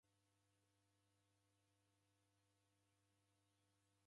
W'andu w'engi ndew'iichi huw'o.